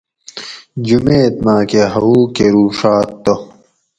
جمیت ماۤکہ ھوؤ کروڛات تہ